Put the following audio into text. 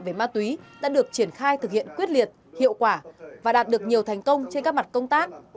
về ma túy đã được triển khai thực hiện quyết liệt hiệu quả và đạt được nhiều thành công trên các mặt công tác